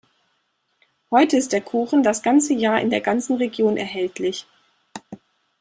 Heute ist der Kuchen das ganze Jahr in der ganzen Region erhältlich.